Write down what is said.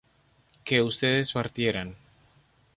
que ustedes partieran